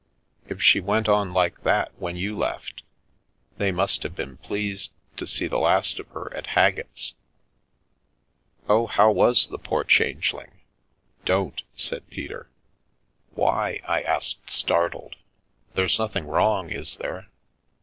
If she went on like that when you left, they must have been pleased to see the last of her at Haggett's." "Oh, how was the poor Changeling?" * Don't 1" said Peter. The Milky Way u Why ?" I asked, startled. " There's nothing wrong, is there!"